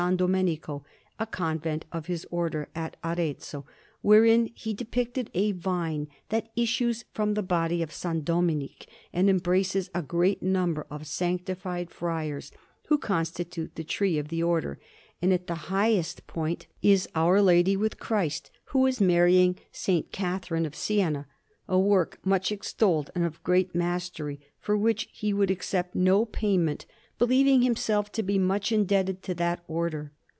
Domenico, a convent of his Order at Arezzo; wherein he depicted a vine that issues from the body of S. Dominic and embraces a great number of sanctified friars, who constitute the tree of the Order; and at the highest point is Our Lady, with Christ, who is marrying S. Catherine of Siena a work much extolled and of great mastery, for which he would accept no payment, believing himself to be much indebted to that Order.